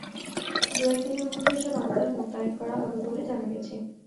দু-এক দিনের মধ্যে এসব আনসার মোতায়েন করা হবে বলে জানা গেছে।